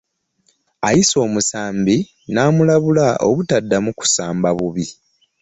Ayise omusambi n'amulabula obutaddamu kusamba bubi.